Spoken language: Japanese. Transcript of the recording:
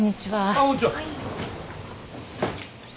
ああこんにちは。